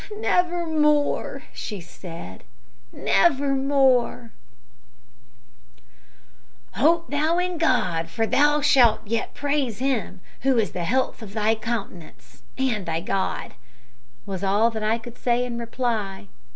"Never more!" she said, "never more!" "Hope thou in God, for thou shalt yet praise Him, who is the health of thy countenance, and thy God," was all that I could say in reply.